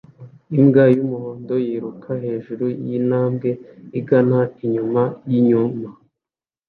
Imbwa yumuhondo yiruka hejuru yintambwe igana inyuma yinyuma